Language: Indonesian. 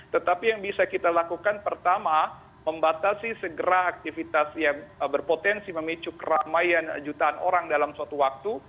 tetapi yang bisa kita lakukan pertama membatasi segera aktivitas yang berpotensi memicu keramaian jutaan orang dalam suatu waktu